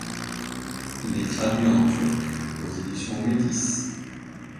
Il est traduit en turc, aux éditions Métis.